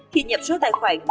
hai khi nhập số tiền